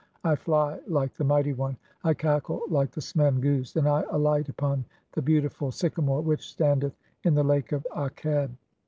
I fly like the mighty one, I cackle "like the smen goose, and I alight upon the beautiful (n) "sycamore which standeth in the Lake of Akeb.